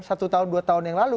satu tahun dua tahun yang lalu